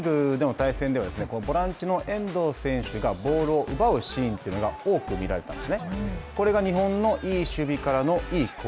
予選リーグでの対戦ではボランチの遠藤選手がボールを奪うシーンというのが多く見られたんですね。